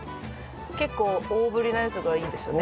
結構大ぶりなやつがいいんですよね。